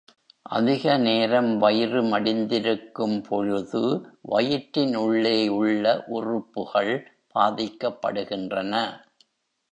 அதிக நேரம் வயிறு மடிந்திருக்கும் பொழுது, வயிற்றின் உள்ளே உள்ள உறுப்புகள் பாதிக்கப்படுகின்றன.